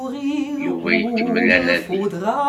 Yuba ikemmel anadi.